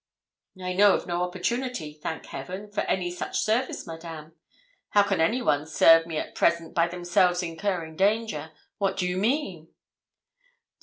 'I know of no opportunity, thank Heaven, for any such service, Madame. How can anyone serve me at present, by themselves incurring danger? What do you mean?'